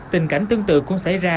tình cảnh tương tự cũng xảy ra